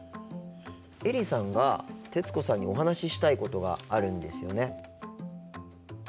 映里さんが徹子さんにお話ししたいことがあるんですよね？